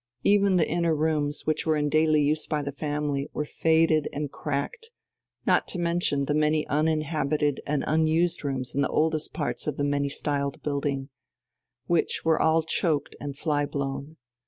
Even the inner rooms, which were in daily use by the family, were faded and cracked, not to mention the many uninhabited and unused rooms in the oldest parts of the many styled building, which were all choked and flyblown.